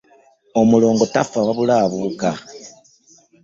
Omulongo tafa wabula abuuka.